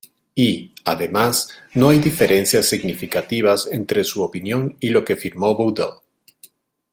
Y, además, no hay diferencias significativas entre su opinión y lo que firmó Boudou".